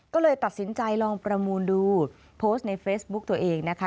ก็เลยตัดสินใจลองประมูลดูโพสต์ในเฟซบุ๊กตัวเองนะคะ